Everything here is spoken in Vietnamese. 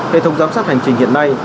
hệ thống giám sát hành trình hiện nay